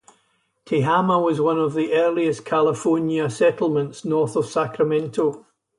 Tehama was one of the earliest California settlements north of Sacramento.